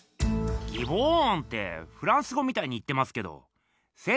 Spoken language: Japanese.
ギボーンってフランス語みたいに言ってますけど仙